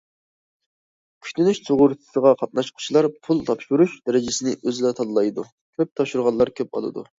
كۈتۈنۈش سۇغۇرتىسىغا قاتناشقۇچىلار پۇل تاپشۇرۇش دەرىجىسىنى ئۆزى تاللايدۇ، كۆپ تاپشۇرغانلار كۆپ ئالىدۇ.